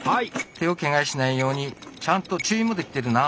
手をケガしないようにちゃんと注意もできてるな。